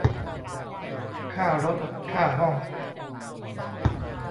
ค่ารถค่าห้อง